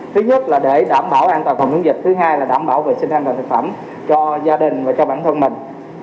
thứ nhất là để đảm bảo an toàn phòng chống dịch thứ hai là đảm bảo vệ sinh an toàn thực phẩm cho gia đình và cho bản thân mình